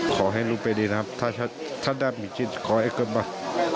ขอให้รู้ไปดีนะครับถ้าได้มีจิตขอให้เกิดมา